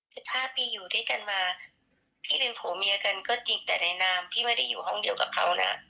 สิบห้าปีอยู่ด้วยกันมาพี่เป็นผัวเมียกันก็จริงแต่ในนามพี่ไม่ได้อยู่ห้องเดียวกับเขานะ